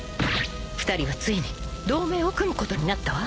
［２人はついに同盟を組むことになったわ］